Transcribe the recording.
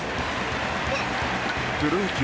プロ野球